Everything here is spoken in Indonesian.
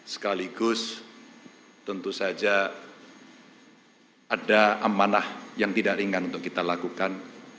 sekaligus tentu saja ada amanah yang tidak ringan untuk kita lakukan